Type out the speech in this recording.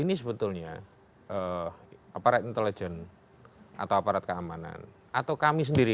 ini sebetulnya aparat intelijen atau aparat keamanan atau kami sendiri